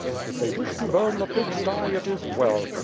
If they wish to burn the pig sty — ^it is well.